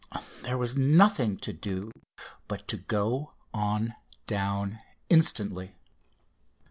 There was nothing to do but to go on down instantly.